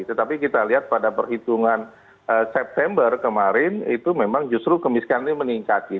tetapi kita lihat pada perhitungan september kemarin itu memang justru kemiskinan ini meningkat